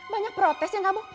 banyak protesnya kamu